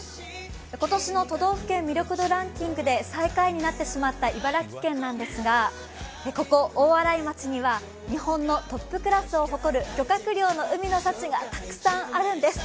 今年の都道府県魅力度ランキングで最下位になってしまった茨城県なんですがここ、大洗町には日本のトップクラスを誇る漁獲量の海の幸がたくさんあるんです。